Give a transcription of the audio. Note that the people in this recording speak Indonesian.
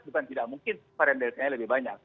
bukan tidak mungkin varian delta nya lebih banyak